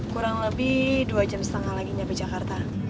kurang lebih dua jam setengah lagi sampai jakarta